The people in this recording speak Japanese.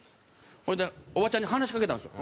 それでおばちゃんに話しかけたんですよ。